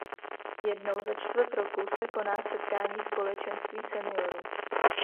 Jednou za čtvrt roku se koná setkání společenství seniorů.